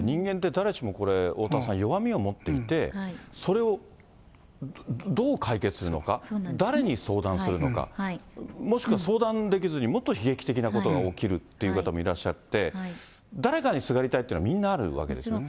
誰しも、これ、おおたわさん、弱みを持っていて、それをどう解決するのか、誰に相談するのか、もしくは相談できずにもっと悲劇的なことが起きるという方もいらっしゃって、誰かにすがりたいというのはみんなあるわけですね。